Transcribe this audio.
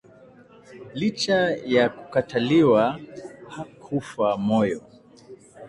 Licha ya kukataliwa, hakufa moyo